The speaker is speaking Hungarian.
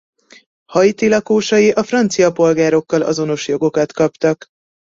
Haiti lakosai a francia polgárokkal azonos jogokat kaptak.